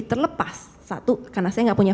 terlepas satu karena saya nggak punya